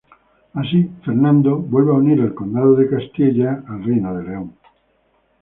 Así, Fernando vuelve a unir el condado de Castilla al reino de León.